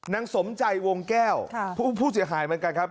สมใจวงแก้วผู้เสียหายเหมือนกันครับ